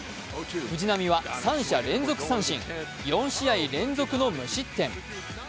藤浪は三者連続三振４試合連続の無失点。